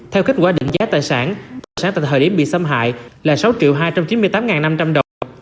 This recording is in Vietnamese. theo kết quả định giá tài sản tài sản tại thời điểm bị xâm hại là sáu hai trăm chín mươi tám năm trăm linh đồng